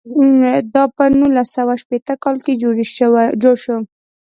دا په نولس سوه شپېته کال کې جوړ شو.